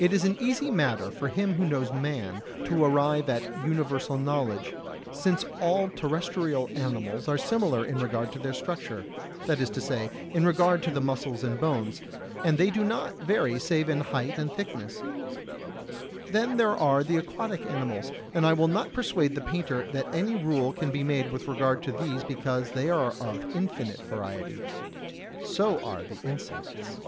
61. It is an easy matter for him who knows man to arrive at universal knowledge, since all terrestrial animals are similar in regard to their structure, that is to say, in regard to the muscles and bones, and they do not vary save in height and thickness; then there are the aquatic animals, and I will not persuade the painter that any rule can be made with regard to these because they are of infinite variety so are the insects.